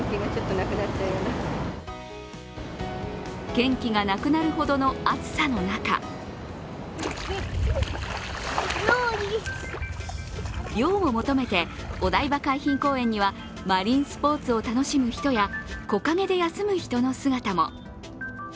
元気がなくなるほどの暑さの中涼を求めてお台場海浜公園にはマリンスポーツを楽しむ人や木陰で休む人の姿も。